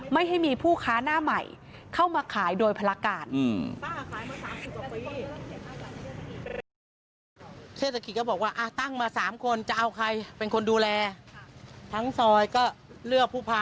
ไม่ให้มีผู้ค้าหน้าใหม่เข้ามาขายโดยภารการ